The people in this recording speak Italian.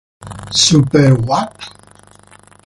Super What?